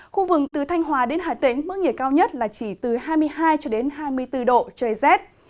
khu vực từ thanh hóa đến hà tĩnh mức nhiệt cao nhất là chỉ từ hai mươi hai cho đến hai mươi bốn độ trời rét